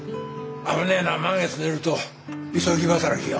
危ねえのは満月の夜と急ぎ働きよ。